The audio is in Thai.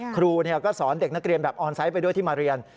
ครูก็สอนเด็กนักเรียนแบบออนไซต์ไปด้วยที่มาเรียน